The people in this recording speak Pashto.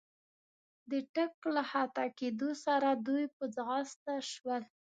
د ټک له خطا کېدو سره دوی په ځغستا شول.